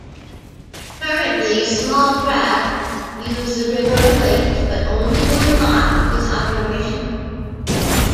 Currently small craft use the river and lakes, but only one lock is operational.